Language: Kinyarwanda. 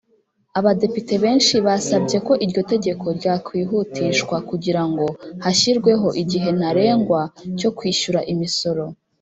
Abadepite benshi basabye ko iryo tegeko ryakwihutishwa kugira ngo hashyirweho igihe ntarengwa cyo kwishyura imisoro